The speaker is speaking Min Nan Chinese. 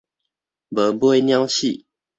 無尾鳥鼠